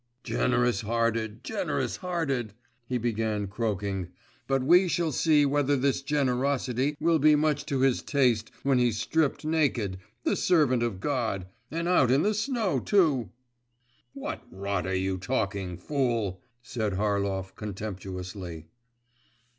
'Generous hearted! Generous hearted!' he began croaking; 'but we shall see whether this generosity will be much to his taste when he's stripped naked, the servant of God … and out in the snow, too!' 'What rot are you talking, fool?' said Harlov contemptuously.